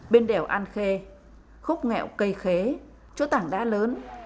bên đèo an khê khúc nghẹo cây khế chỗ tảng đá lớn